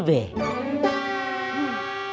kan ini masih kecil be